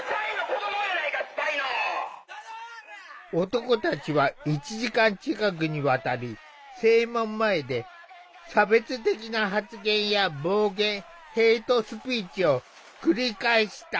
男たちは１時間近くにわたり正門前で差別的な発言や暴言ヘイトスピーチを繰り返した。